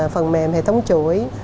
phần mềm hệ tống chuỗi